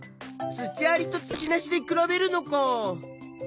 土ありと土なしで比べるのか。